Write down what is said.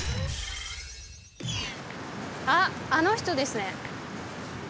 あっあの人ですね。